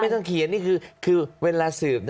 ต้องเขียนนี่คือเวลาสืบ